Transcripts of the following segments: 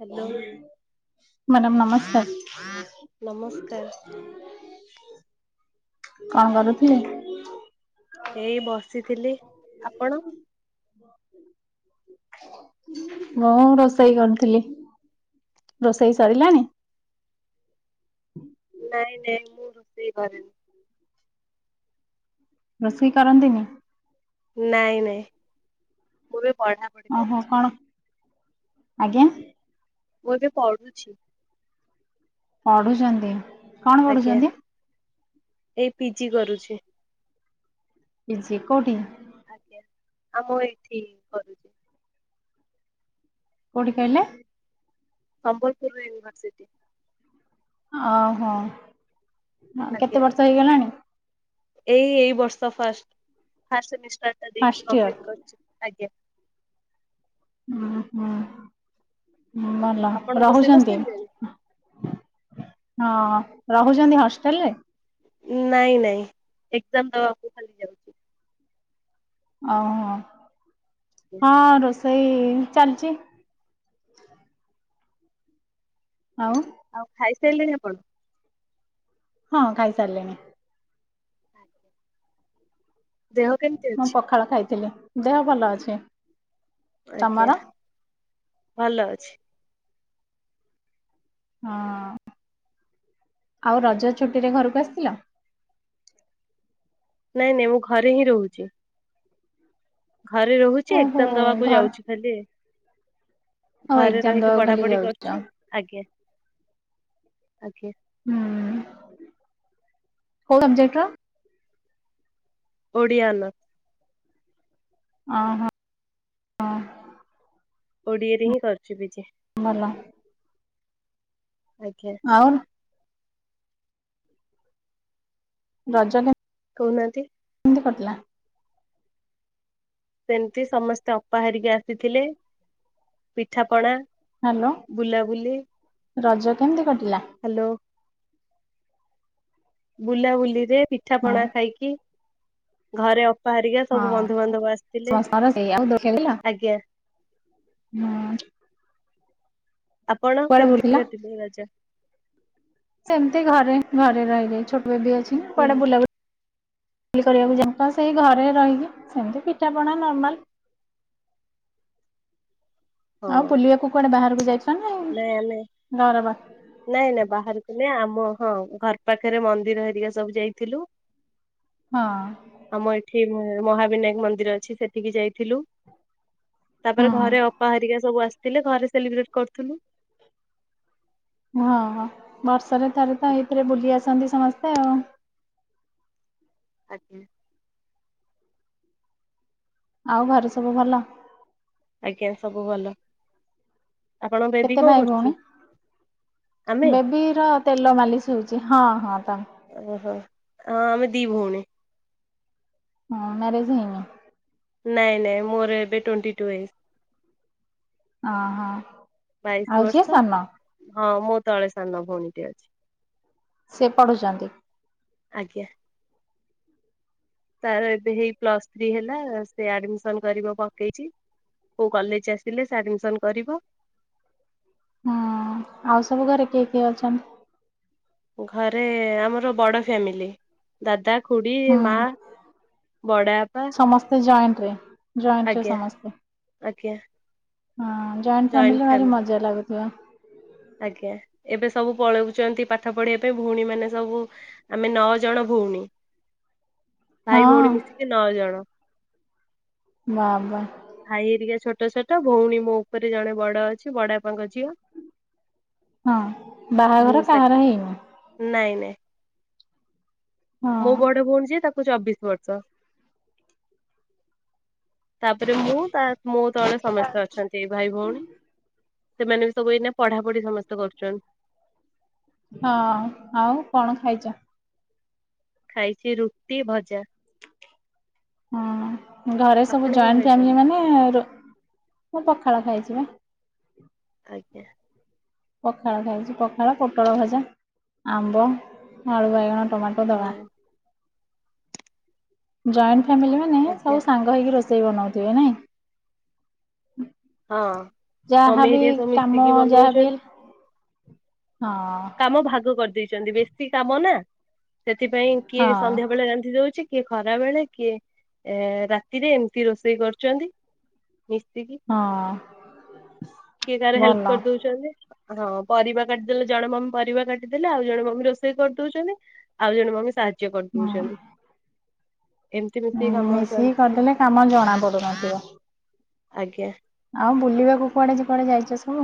Hello madam ନମସ୍କାର। ନମସ୍କାର। କଣ କରୁଥିଲେ? ଏଇ ବସିଥିଲି। ଆପଣ? ମୁଁ ରୋଷେଇ କରୁଥିଲି। ରୋଷେଇ ସରିଲାଣି? ନାଇଁ ନାଇଁ ମୁଁ ରୋଷେଇ କରିନି। ରୋଷେଇ କରନ୍ତିନି? ନାଇଁ ନାଇଁ ମୁଁ ବି ଓହୋ। କଣ? ଆଜ୍ଞା। ମୁଁ ଏବେ ପଢୁଛି। ପଢୁଛନ୍ତି କଣ ଆଜ୍ଞା ପଢୁଛନ୍ତି? ଏଇ ପିଜି କରୁଛି। ପିଜି କଉଠି? ଆଜ୍ଞା। ଆମ ମୁଁ ଏଇଠି କରୁଛି। କୋଉଠି କହିଲେ? ସମ୍ବଲପୁର ୟୁନିଭରସିଟି। ଓହୋ। ଆଜ୍ଞା କେତେ ବର୍ଷ ହେଇଗଲାଣି? ଏଇ ଏଇ ବର୍ଷ ଫାଷ୍ଟ। ଫାଷ୍ଟ ସେମିଷ୍ଟାର ଟା ଦେଇଚି ଫାଷ୍ଟ ଇୟର କଂପ୍ଲିଟ୍ କରିଚି। ଆଜ୍ଞା। [unintelligible] ଉଁ ହୁଁ। ଭଲ ଆପଣ ରୋଷେଇ ରହୁଛନ୍ତି। କରିସାରିଲେଣି? ହଁ। ରହୁଛନ୍ତି ହଷ୍ଟେଲ ରେ? ନାଇଁ ନାଇଁ ଏକ୍ଜାମ ଦବାକୁ ଖାଲି ଯାଉଛି। ଓହୋ। ଆଜ୍ଞା ହଁ ରୋଷେ ସେଇ ଚାଲିଛି। ଆଉ ଆଉ ଖାଇସାରିଲେଣି ଆପଣ? ହଁ ଖାଇସାରିଲିଣି। ଆଜ୍ଞା ଦେହ କେମିତି ମୁଁ ଅଛି? [unintelligible] ଦେହ ଭଲ ଅଛି। ଆଜ୍ଞା ତମର ଭଲ ଅଛି। ହଁ। ଆଉ ରଜ ଛୁଟି ରେ ଘରକୁ ଆସିଥିଲ? ନାଇଁ ନାଇଁ ମୁଁ ଘରେ ହିଁ ରହୁଛି। ଘରେ ରହୁଛି ଓହୋ ଏକ୍ଜାମ ଦବାକୁ ଘର ଯାଉଛି ଖାଲି। ହଉ ଘରେ ଏକ୍ଜାମ ରହିକି ଦବାକୁ ଖାଲି ପଢାପଢି ଯାଉଛ କରୁଛି। ଆଜ୍ଞା, ଆଜ୍ଞା। ହୁଁ, କୋଉ ସବଜେକ୍ଟ ର? ଓଡ଼ିଆ ଅନର୍ସ। ଅ ହଁ ହଁ। ଓଡ଼ିଆ ରେ ହିଁ କରୁଛି ପି ଜି। ଭଲ। ଆଜ୍ଞା ଆଉ ରଜ ରେ କହୁନାହାନ୍ତି। [unintelligible] ସେମିତି ସମସ୍ତେ ଅପା ହାରିକା ଆସିଥିଲେ। ପିଠାପଣା ହ୍ୟାଲୋ ବୁଲାବୁଲି। ରଜ କେମିତି କଟିଲା? ହାଲୋ। ବୁଲାବୁଲିରେ ପିଠା ହଁ ପଣା ଖାଇକି ଘରେ ଅପା ହେରିକା ସବୁ ହଁ ବନ୍ଧୁବାନ୍ଧବ ଆସିଥିଲେ ସମସ୍ତଙ୍କର ସେଇ ଆଉ ଦୋଳି ଖେଳିଲ? ଆଜ୍ଞା। ହୁଁ। ଆପଣ କୁଆଡେ କେମିତି ବୁଲିଥିଲ? କାଟିଲେ ରଜ? ସେମିତି ଘରେ ଘରେ ରହି ରହି ଛୋଟ ବେବି ଅଛି ନା ବୁଲ କୁଆଡେ ବୁଲାବୁଲି ବୁଲି କରିବାକୁ ଯାଉ ସେଇ ଘରେ ରହିକି ସେମିତି ପିଠାପଣା ନର୍ମାଲ ହଁ ଆଉ ବୁଲିବାକୁ କୁଆଡେ ବାହାରକୁ ଯାଇଛ ନା ନାଇଁ ଆମେ ଘର ପାଖ ନାଇଁ ନାଇଁ ବାହାରକୁ ନେଇ ଆମ ହଁ ଘର ପାଖରେ ମନ୍ଦିର ହେରିକା ସବୁ ଯାଇଥିଲୁ। ହଁ। ଆମ ଏଠି ମହାବିନାୟକ ମନ୍ଦିର ଅଛି ସେଠିକି ଯାଇ ଥିଲୁ ତାପରେ ହଁ ଘରେ ଅପାହାରିକା ସବୁ ଆସି ଥିଲେ ଘରେ ସେଲିବ୍ରେଟ କରୁଥିଲୁ। ହଁ ହଁ ବର୍ଷରେ ଥରେ ତ ଏଇଥିରେ ବୁଲି ଆସନ୍ତି ସମସ୍ତେ ଆଉ। ଆଜ୍ଞା। ଆଉ ଘରେ ସବୁ ଭଲ? ଆଜ୍ଞା ସବୁ ଭଲ। ଆପଣଙ୍କ ବେବି କେତେ କଣ ଭାଇ କରୁଛି? ଭଉଣୀ ଆମେ ବେବି ର ତେଲ ମାଲିସ ହଉଛି ହଁ ହଁ ତ ଓ ହୋ ହଁ ଆମେ ଦୀଭଉଣୀ। ହଁ ମ୍ୟାରେଜ ହେଇନି? ନାଇଁ ନାଇଁ ମୋର ଏବେ ଟୋଣ୍ଟି ଟୁ ଏଜ୍। ଆ ବାଇଶି ଆଉ ଯିଏ ବର୍ଷ ସାନ। ହଁ ମୋ ତଳେ ସାନ ଭଉଣୀଟି ଅଛି। ସେ ପଢୁଛନ୍ତି। ଆଜ୍ଞା। ତାର ଏବେ ହେଇ ପ୍ଲସ ଥ୍ରୀ ହେଲା ସେ ଆଡମିସନ କରିବ ପକେଇଛି। କୋଉ କଲେଜ ଆସିଲେ ସେ ଆଡମିସନ କରିବ। ହଁ ଆଉ ସବୁ ଘରେ କିଏ କିଏ ଅଛନ୍ତି? ଘରେ ଆମର ବଡ ଫ୍ୟାମିଲି ଦାଦା ଖୁଡିୀ ହୁଁ ମା ବଡ଼ବାପା ଜୈଂଟ ସମସ୍ତେ। ଆଜ୍ଞା। ହଁ ଜଏଣ୍ଟ ଫ୍ୟାମିଲି ରେ ଭାରି ମଜା ଲାଗୁଥିବ। ଆଜ୍ଞା ଏବେ ସବୁ ପଳଉଛନ୍ତି ପାଠ ପଢିବା ପାଇଁ ଭଉଣୀ ମାନେ ସବୁ ଆମେ ନଅ ଜଣ ଭୋ ଭଉଣୀ ଭାଇ ହଁ ଭଉଣୀ ମିଶିକି ନଅ ଜଣ। ବା ବା। ଭାଇ ହେରିକା ଛୋଟ ଛୋଟ ଭଉଣୀ ମୋ ଉପରେ ଜଣେ ବଡ ଅଛି ବଡବାପାଙ୍କ ଝିଅ ହଁ ମୁଁ ବାହାଘର ସେ କାହାର ହେଇନି? ନାଇଁ ନାଇଁ ହଁ ମୋ ବଡ ଭଉଣୀ ଯିଏ ତାକୁ ଚବିଶ ବର୍ଷ। ତାପରେ ତା ମୁଁ ମୋ ତଳେ ସମସ୍ତେ ଅଛନ୍ତି ଏଇ ଭାଇ ଭଉଣୀ ସେମାନେ ବି ସବୁ ଏଇନା ପଢାପଢି ସମସ୍ତେ କରୁଛନ୍ତୀ। ହଁ ଆଉ କଣ ଖାଇଛ? ଖାଇଛି ରୁଟି ଭଜା। ହଁ ଘରେ ସବୁ ଆପଣ କଣ ଜଏଣ୍ଟ ଖାଇଛନ୍ତି? ଫାମିଲି ମାନେ ମୁଁ ପଖାଳ ଖାଇଛି ବା। ଆଜ୍ଞା। ପଖାଳ ଖାଇଛି ପଖାଳ ପୋଟଳ ଭଜା ଆମ୍ବ ଆଳୁ ବାଇଗଣ ଟମାଟୋ ଦଳା ହଁ ଜଏଣ୍ଟ ଫ୍ୟାମିଲି ମାନେ, ଆଜ୍ଞା ସବୁ ସାଙ୍ଗ ହେଇକି ରୋଷେଇ ବନଉଥିବେ ନାଇଁ? ହଁ ମମି ଯାହାବି ହେରିକା ସବୁ କାମ ମିଶିକି ଯାହାବି ବନଉଛନ୍ତି। ହଁ କାମ ଭାଗ କରିଦେଇଛନ୍ତି, ବେଶୀ କାମ ନା, ସେଥିପାଇଁ କିଏ ହଁ ସନ୍ଧ୍ୟା ବେଳେ ରାନ୍ଧି ଦଉଛି କିଏ ଖରା ବେଳେ, କିଏ ଏ ରାତିରେ, ଏମିତି ରୋଷେଇ କରୁଛନ୍ତି। ମିଶକି, ହଁ କିଏ କାହାର ହେଲ୍ପ ଭଲ କରିଦଉଛନ୍ତି। ହଁ ପରିବା କାଟିଦେଲେ ଜଣେ ମମି ପରିବା କାଟିଦେଲେ, ଆଉ ଜଣେ ମମି ରୋଷେଇ କରିଦଉଛନ୍ତି, ଆଉ ଜଣେ ମମି ସା କରି ଦଉଛନ୍ତି। ହଁ ମିଶିକି କରିଦେଲେ କାମ ଜଣା ପଡୁନଥିବ। ଆଜ୍ଞା। ଆଉ ବୁଲିବାକୁ କୁଆଡେ କୁଆଡେ ଯାଇଛ ସବୁ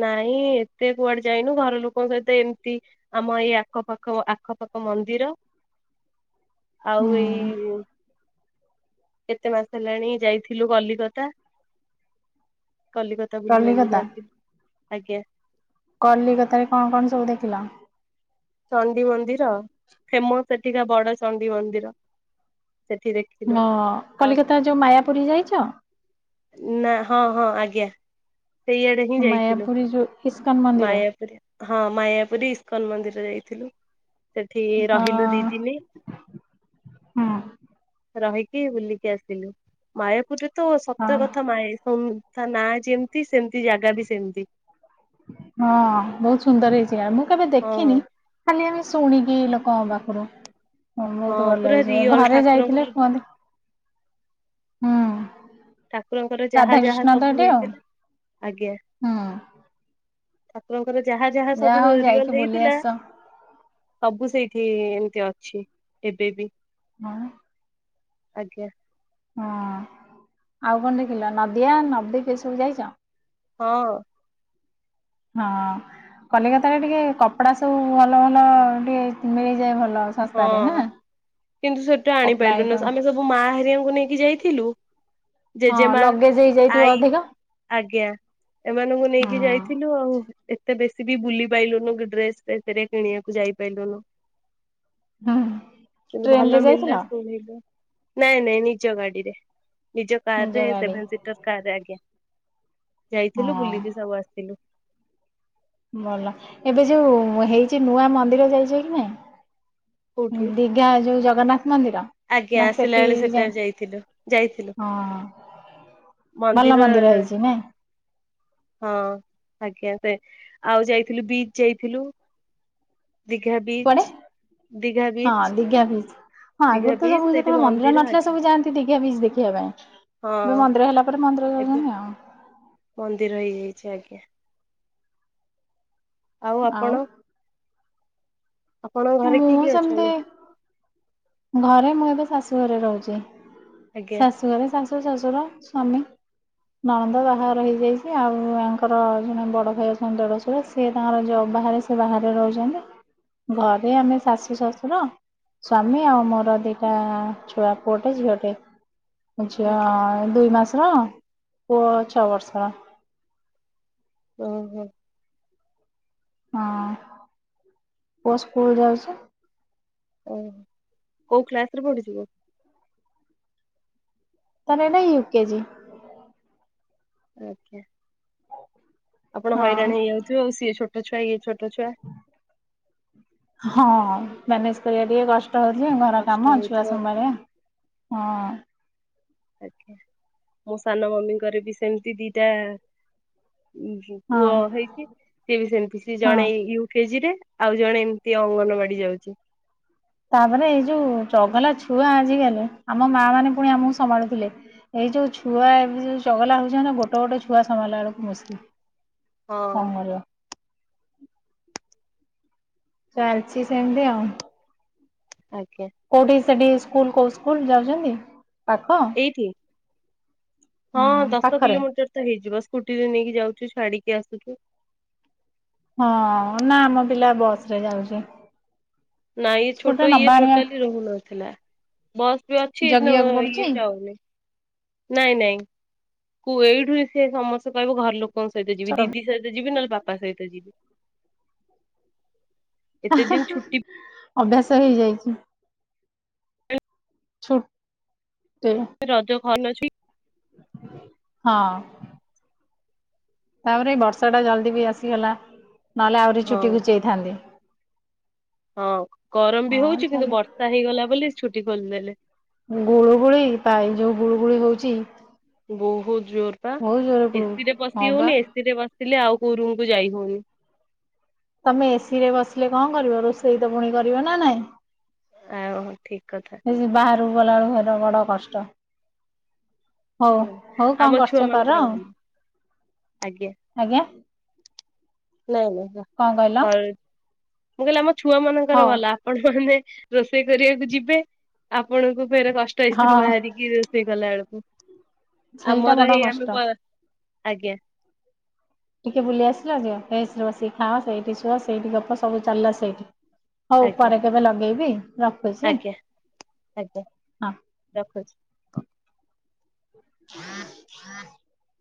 ନାଇଁ ଏତେ କୁଆଡେ ଯାଇନୁ, ଘର ଲୋକଙ୍କ ସହିତ ଏମିତି, ଆମ ଏଇ ଆଖପାଖ ଆଖଖ ଆଖପାଖ ମନ୍ଦିର [inaudible] ଆଉ ଏଇ କେତେ ମାସ ହେଲାଣି ଯାଇଥିଲୁ, କଲିକତା କଲିକତା ବୁଲି ବାଲିକି ଆସିବ, ଆଜ୍ଞା। କଲିିକତାରେ କଣ କଣ ସବୁ ଦେଖିଲ? ଚଣ୍ଡିମନ୍ଦିର, ଫେମସ ସେଠିକା ବଡ ଚଣ୍ଡି ମନ୍ଦିର ସେଠି ଦେଖିଲୁ ହଁ, ଆଉ କଲିକତା ଯୋଉ ମାୟାପୁରୀ ଯାଇଛ? ନା, ହଁ ହଁ ଆଜ୍ଞା। ସେଇଆଡେ ହିଁ ଯାଇଥିଲୁ, ମାୟାପୁରୀ ଯୋଉ ଇସ୍କନ ମନ୍ଦିର ମାୟାପୁରୀ, ହଁ ମାୟାପୁରୀ ଇସ୍କନ ମନ୍ଦିର ଯାଇଥିଲୁ, ସେଠି ହଁ ରହିଲୁ ଦି ଦିନି। ହଁ ରହିକି, ବୁଲିକି ଆସିଲୁ, ମାୟାପୁରରେ ତ ସତ ହଁ କଥା କଥା ନାଁ ଯେମିତି, ସେମିତି ଜାଗା ବି ସେମିତି ହଁ ବହୁତ ସୁନ୍ଦର ହେଇଛି, ମୁଁ କେବେ ହଁ ଦେଖିନି ଖାଲି ଆମ ଶୁଣିକି ଲୋକ ପାଖରୁ ହଁ ହଁ ବହୁତ ଭଲ ପୁରା ହେଇଛି, ରିଅଲ ଘରେ ଯାଇଥିଲେ ଠାକୁରଙ୍କର କୁହନ୍ତି, ହୁଁ। ଠାକୁରଙ୍କର ଯାହା ଯାହା ରାଧାକୃଷ୍ଣ ତ ସବୁ ଏଠି ଆଉ ହେଇଥିଲା, ଆଜ୍ଞା। ହୁଁ ଠାକୁରଙ୍କର ଯାହା ଯାହା ସବୁ ହଉ ଯାଇକି ରିଅଲ ବୁଲି ହେଇଥିଲା, ଆସ ସବୁ ସେଇ ଏଠି ଏମିତି ଅଛି, ଏବେ ବି ହଁ। ଆଜ୍ଞା। ହଁ, ଆଉ କଣ ଦେଖିଲ, ନଦିଆ ନବଦୀପ ସବୁ ଯାଇଛ ହଁ। ହଁ କଲିକତାରେ ଟିକେ କପଡା ସବୁ ଭଲ ଭଲ ଟିକେ ମିଳିଯାଏ ଭଲ ହଁ, ଶସ୍ତାରେ ନା କିନ୍ତୁ ସେଟୁ କପଡା ଆଣିପାରିଲୁନି, ଆଇଟମ୍ ଆମେ ସବୁ ମା ହାରଆଙ୍କୁ ନେଇକି ଯାଇଥିଲୁ ହଁ, ଜେଜେମା ଲଗେଜ ହେଇଯାଇଥିବ ଆଈ ଅଧିକ ଆଜ୍ଞା। ଏମାନଙ୍କୁ ନେଇକି ହଁ ଯାଇଥିଲୁ ଆଉ ତେ ବେଶୀ ବି ବୁଲି ପାଇଲୁନୁ, ଡ୍ରେସ ସେ କିଣିବାକୁ ଯାଇପାରଲୁନୁ। ହୁଁ। କିନ୍ତୁ ଟ୍ରେନ ରେ ଭଲ ମିଳିଲା ଯାଇଥିଲ ଶୁଣିଲୁ। ନାଇଁ ନାଇଁ, ନିଜ ଗାଡିରେ, ନିଜ କାର ରେ ସେଭେନ ସିଟର କାର ରେ, ଆଜ୍ଞା। ହଁ ଯାଇଥିଲୁ, ବୁଲିକି ସବୁ ଆସିଲୁ। ଭଲ, ଏବେ ଯୋଉ ହେଇଛି ନୂଆ ମନ୍ଦିର ଯାଇଛି କି ନାଇ? କୋଉଠି ଦିଘା ଯୋଉ ଜଗନ୍ନାଥ ମନ୍ଦିର? ଆଜ୍ଞା ନା ଆସିଲା ବେଳେ ସେଠିକ ଯାଇ ସେଟାରେ ଯାଇଥିଲୁ ଯାଇଥିଲୁ ହଁ ଭଲ ମନ୍ଦିର ହେଇଛି ନା? ହଁ, ଆଜ୍ଞା, ସେ ଆଉ ଯାଇଥିଲୁ, ବିଚ ଯାଇଥିଲୁ। ଦିଘା କୁଆଡେ? ବିଚ୍। ଦିଘା ହଁ ବିଚ୍ ଦିଗା ବିଚ। ହଁ ଦିଘା ଆଗରୁ ତ ବିଚ୍ ସବୁ ସେଇଠି ଯେତେବେଳେ ମନ୍ଦିର ନଥିଲା, ଆଜ୍ଞା ସବୁ ଯାନ୍ତି ଦିଘା ବିଚ ଦେଖିବା ପାଇଁ ଏବେ ହଁ ମନ୍ଦିର ହେଲା ପରେ ମନ୍ଦିର ଏବେ ଯାଉଚନ୍ତି ଆଉ। ମନ୍ଦିର ହେଇଯାଇଛି ଆଜ୍ଞା। ଆଉ ଆପଣ? ଆପଣଙ୍କ ଘରେ ମୁଁ କିଏ କିଏ ଅଛନ୍ତି? ସେମିତି ଘରେ ମୁଳେ ବସ ଆସ ଶଶୁ ଘରେ ରହୁଚି, ଆଜ୍ଞା ଶାଶୁ ଘରେ ଶାଶୁ ଶଶୁର ସ୍ୱାମୀ ନଣନ୍ଦ ବାହାଘର ହେଇଯାଇଚି ଆଉ ତାଙ୍କର ଜଣେ ବଡ ଭାଇ ଅଛନ୍ତି ଦେଢଶୁର ସିଏ ତାଙ୍କର ଜବ ବାହାରେ ସେ ବାହାରେ ରହୁଚନ୍ତି ଘରେ ଆମେ ଶାଶୁ ଶଶୁର ସ୍ଵାମୀ ଆଉ ମୋର ଦିଟା ଛୁଆ ପୁଅଟେ ଝିଅଟେ। ଝିଅ ଆଜ୍ଞା ଦୁଇ ମାସର, ପୁଅ ଛଅ ବର୍ଷର। ଓ ହୋ। ହଁ ପ ସ୍କୁଲ ଯାଉଛି? ଓୋ କୋଉ କ୍ଲାସ ରେ ପଢୁଛି କି? ତାନେ ନାଇଁ ୟୁକେଜି। ଆକେ ଆପଣ ହଇରାଣ ହେଇଯାଉଥିବେ ଆଉ ସିଏ ଛୋଟ ଛୁଆ ଇଏ ଛୋ ହଁ ମ୍ୟାନେଜ କରିବା ଟିକେ କଷ୍ ଟ ହଉଚି, ଘର କଷ୍ଟ କାମ ଛୁଆ ହଉଥିବ ଆଉ ସମ୍ଭାଳିବା ହଁ। ଆଜ୍ଞା ମୋ ସାନ ମମିଙ୍କର ବି ସେମିତି ଦିଟା ହଁ ପୁଅ ହେଇଚି ସିଏ ବି ସେମତି ସିଏ ହଁ ଜଣେ ୟୁ କେଜି ରେ ଆଉ ଜଣେ ଏମିତି ଅଙ୍ଗନବାଡି ଯାଉଚି। ତାପରେ ଏଇ ଯୋଉ ଚଗଲା ଛୁଆ ଆଜିକାଲି ଆମ ମା ମାନେ ପୁଣି ଆମକୁ ସମ୍ଭାଳୁଥିଲେ ଏ ଏଇ ଯୋଉ ଛୁଆ ଏବେ ଯୋଉ ଚଗଲା ହଉଚନ୍ତି ଗୋଟ ଗୋଟେ ଛୁଆ ସମ୍ଭାଳିଲା ବେଳକୁ ମୁଶକିଲ୍। ହଁ କଣ କରିବ? ଚାଲିଚି ସେମିତି ଆଉ। ଆଜ୍ଞା। କୋଉଠି ସେଠି ସ୍କୁଲ କୋଉ ସ୍କୁଲ ଯାଉଚନ୍ତି? ଏଇଠି? ହଁ ଦଶ ପାଖରେ କିଲୋମିଟର ତ ହେଇଯିବ ସ୍କୁଟିରେ ନେଇକି ଯାଉଛୁ ଛାଡିକି ଆସୁଚୁ। ହଁ ନା ଆମ ପିଲା ବସ ରେ ଯାଉଚି। ନାଇ ଇଏ ଛୋଟ ଇଏ ଟୋଟାଲି ରହୁନଥିଲା। ବସ୍ ବି ଅଛି ନ ଜଗିବାକୁ ପଡୁଛି ଇଏ ଯାଉନାହିଁ। ନାଇଁ ନାଇଁ କୁ ଏଇଠୁ ସେ ସମସ୍ତେ କହିବ ଘର ଲୋକ ଙ୍କ ସହିତ ଚ ଯିବି ଦିଦି ସହିତ ଯିବି ନହେଲେ ବାପା ସହିତ ଯିବି। ଏତେ ଦିନ ଛୁଟି ଅଭ୍ୟାସ ହେଇଯାଇଚି। ଛୁ। ରଜ ଖ ଅଛି? ହଁ। ତାପରେ ଏଇ ବର୍ଷା ଟା ଜଲଦି ବି ଆସିଗଲା ନହେଲେ ଆହୁରି ହଁ ଚୁଟି ଘୁଚେଇଥାନ୍ତି। ହଁ ଗରମ ବି ହଁ ହଉଚି କିନ୍ତୁ ଚାଲେ। ବର୍ଷା ହେଇଗଲା ବୋଲି ଛୁଟି ଖୋଲିଦେଲେ। ଗୁଳୁ ଗୁଳି ପାଇ ଯୋଉ ଗୁଳୁ ଗୁଳି ହଉଚି। ବହୁତ ଜୋର ପା ଜୋରେ ଗୁଳୁ ଏସି ରେ ବସି ହଁ ବା ହଉନି ଏସି ରେ ବସି ଲେ ଆଉ କୋଉ ରୁମକୁୁ ଯାଇ ହଉନି। ତମେ ଏସିି ରେ ବସିଲେ କଣ କରିବ ରୋଷେଇ ତ ପୁଣି କରିବ ନା ନାଇଁ? ଆଉ ହ ଠିକ କଥା। ଗଲାବଳକୁ ଘର ର ବଡ କଷ୍ଟ। ହଉ ହଁ ହଉ କଣ ଆମ ଛୁଆ କରୁଚ କର ମାନଙ୍କର ଆଉ। ଭଲ ଆଜ୍ଞା ଆଜ୍ଞା। ନା ନାଇ କଣ କହିଲ? କର ମୁଁ କହିଲି ଆମ ଛୁଆ ମାନଙ୍କର ହଉ ଭଲ ଆପଣଙ୍କ ତ ରେ ରୋଷେଇ କରିବାକୁ ଯିବେ ଆପଣଙ୍କୁ ଫେର କଷ୍ଟ ଏସିରୁ ହଁ ବାହାରିକି ରୋଷେଇ କଲା ବେଳକୁ। ସେଇଟା ଆମର ବଡ ଏଇ କଷ୍ଟ। ଆମେ ପ ଆଜ୍ଞା। ଟିକେ ବୁଲି ଆସିଲ ଯେ ଏସି ରେ ବସିକି ଖାଅ, ସେଇଠି ସୁଅ ସେଇଠି ଗପ ସବୁ ଚାଲିଲା ସେଇଠି। ହଉ ଆଜ୍ଞା ପରେ କେବେ ଲଗେଇବି ରଖୁଛି। ଆଜ୍ଞା ଆଜ୍ଞା ହଁ। ରଖୁଛି। [inaudible]